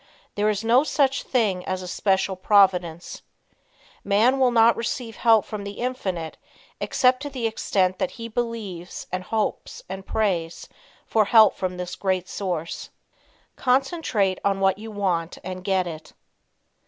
There is no such thing as a Special "Providence." Man will not receive help from the Infinite except to the extent that he believes and hopes and prays for help from this great source. Concentrate on What You Want and Get It.